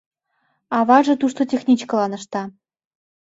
Аваже тушто техничкылан ышта.